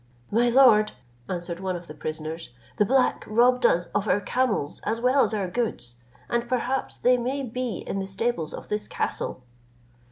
"My lord," answered one of the prisoners, "the black robbed us of our camels as well as our goods, and perhaps they may be in the stables of this castle."